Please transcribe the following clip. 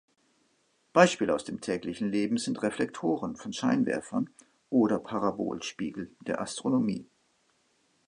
Beispiele aus dem täglichen Leben sind Reflektoren von Scheinwerfern oder Parabolspiegel der Astronomie.